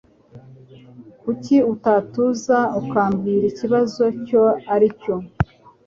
Kuki utatuza ukambwira ikibazo icyo ari cyo